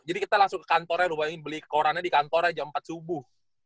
jadi kita langsung ke kantornya lu bayangin beli korannya di kantornya jam empat subuh